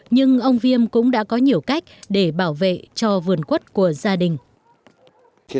nhưng ông viêm cũng đã có nhiều cách để bảo vệ cho vườn quất của gia đình